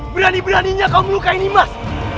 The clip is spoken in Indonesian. berani beraninya kau melukai nimas